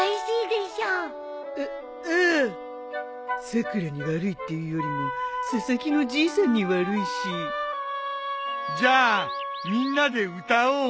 さくらに悪いっていうよりも佐々木のじいさんに悪いしじゃあみんなで歌おう。